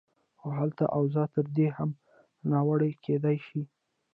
خو حالت او اوضاع تر دې هم ناوړه کېدای شي.